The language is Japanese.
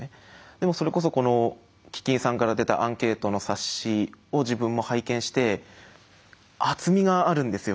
でもそれこそこの基金さんから出たアンケートの冊子を自分も拝見して厚みがあるんですよ